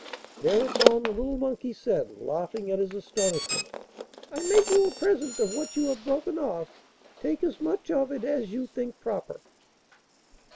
Thereupon the little monkey said, laughing at his astonishment: 'I make you a present of what you have broken off; take as much of it as you think proper.